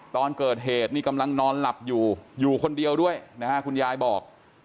ตอนเกิดเหตุนี่กำลังนอนหลับอยู่อยู่คนเดียวด้วยนะฮะคุณยายบอก